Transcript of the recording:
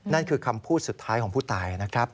นั่นคือคำพูดสุดท้ายของผู้ตายนะครับ